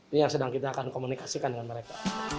ini yang sedang kita akan komunikasikan dengan mereka